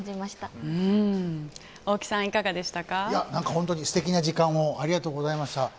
本当に素敵な時間をありがとうございました。